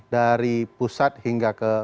dari pusat hingga ke